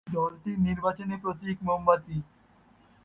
দলটির নির্বাচনী প্রতীক মোমবাতি।